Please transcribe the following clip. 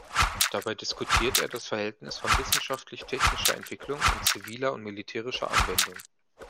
Dabei diskutiert er das Verhältnis von wissenschaftlich technischer Entwicklung und ziviler und militärischer Anwendung.